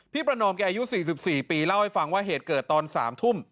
พี่ประนอมแกอายุสี่สิบสี่ปีเล่าให้ฟังว่าเหตุเกิดตอนสามทุ่ม